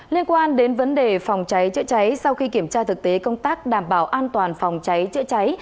liên quan đến vấn đề phòng cháy chữa cháy sau khi kiểm tra thực tế công tác đảm bảo an toàn phòng cháy chữa cháy